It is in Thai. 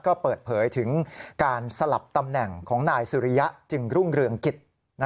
ก็เปิดเผยถึงการสลับตำแหน่งของนายสุริยะจึงรุ่งเรืองกิจ